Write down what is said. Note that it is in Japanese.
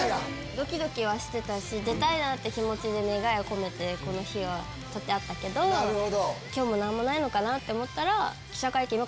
ドキドキはしてたし出たい気持ちで願いを込めてこの日は取ってあったけど今日も何もないのかなって思ったら。